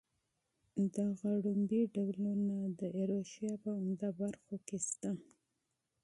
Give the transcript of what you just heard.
دغه لومړني ډولونه د ایروشیا په عمده برخو کې شته.